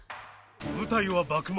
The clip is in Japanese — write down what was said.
舞台は幕末。